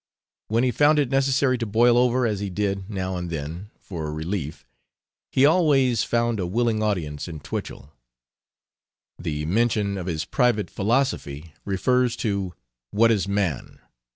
When he found it necessary to boil over, as he did, now and then, for relief, he always found a willing audience in Twichell. The mention of his "Private Philosophy" refers to 'What Is Man?'